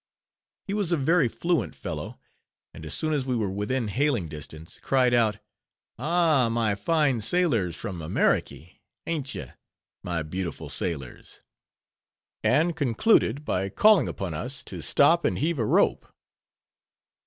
He was a very fluent fellow, and as soon as we were within hailing distance, cried out—"Ah, my fine sailors, from Ameriky, ain't ye, my beautiful sailors?" And concluded by calling upon us to stop and heave a rope.